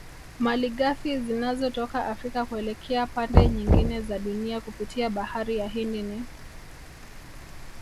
Malighafi zinazotoka Afrika kuelekea pande nyingine za Dunia kupitia bahari ya Hindi ni